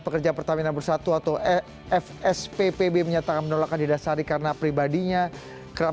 pekerja pertamina bersatu atau fspb menyatakan menolak hadirah sari karena pribadinya kerap